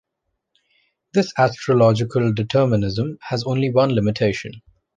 This astrological determinism has only one limitation.